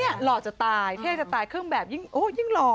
เหล่าจะตายเท่จะตายขึ้นแบบยิ่งรอย